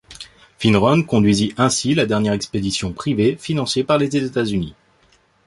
Finn Ronne conduisit ainsi la dernière expédition privée financée par les États-Unis.